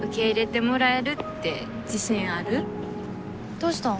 どうしたん？